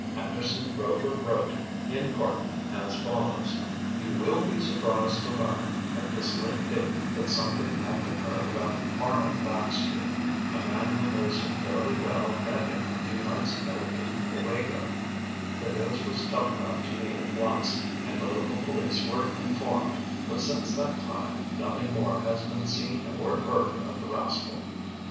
Anderson Rover wrote, in part, as follows: "You will be surprised to learn, at this late day, that something had been heard about Arnold Baxter. A man who knows him fairly well met him a few nights ago in Owego. The news was telegraphed to me at once, and the local police were informed, but since that time nothing more has been seen or heard of the rascal.